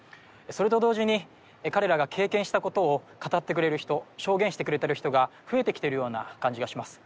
それと同時に彼らが経験したことを語ってくれる人証言してくれてる人が増えてきてるような感じがします